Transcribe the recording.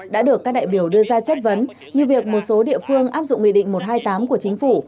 đã được các đại biểu đưa ra chất vấn như việc một số địa phương áp dụng nghị định một trăm hai mươi tám của chính phủ